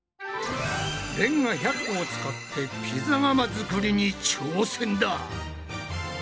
レンガ１００個を使ってピザ窯作りに挑戦だ！